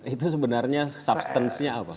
itu sebenarnya substance nya apa